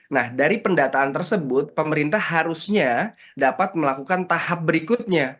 nah dari pendataan tersebut pemerintah harusnya dapat melakukan tahap berikutnya